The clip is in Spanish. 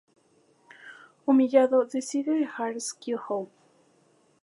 Humillado decide dejar Skill-Out.